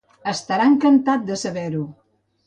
Estarà encantat de saber-ho!